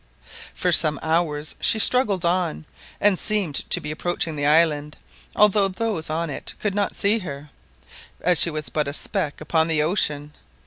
For some hours she struggled on, and seemed to be approaching the island, although those on it could not see her, as she was but a speck upon the ocean.